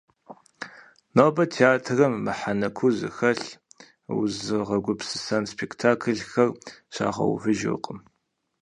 Нобэ театрым мыхьэнэ куу зыхэлъ, узыгъэгупсысэн спектакльхэр щагъэувыжыркъым.